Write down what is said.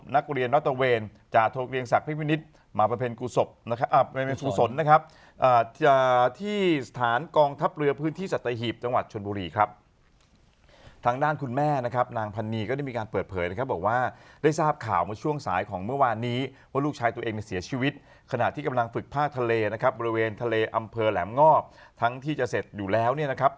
นี่ทำไมมาวุ่นวาลอะไรกับชีวิตฉันไม่ว่าอะไรถ้าทำรายการวิตามินซีนี้ถ้าถ้าจะไม่ว่าเลยนะ